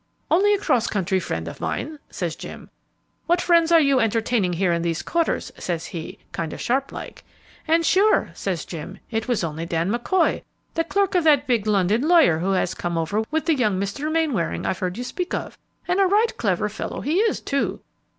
'Only a cross country friend of mine,' says Jim. 'What friends are you entertaining here in these quarters?' says he, kind o' sharp like. 'An' sure,' says Jim, 'it was only Dan McCoy, the clerk of the big London lawyer who has come over with the young Mr. Mainwaring I've heard you speak of, and a right clever fellow he is, too!'